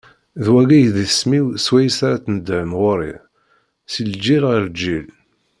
D wagi i d isem-iw swayes ara d-tneddhem ɣur-i, si lǧil ɣer lǧil.